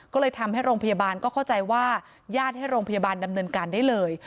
ก็เลยทำให้โรงพยาบาลก็เข้าใจว่าญาติให้โรงพยาบาลดำเนินการได้เลย